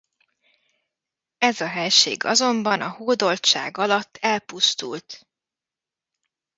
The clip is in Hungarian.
Ez a helység azonban a hódoltság alatt elpusztult.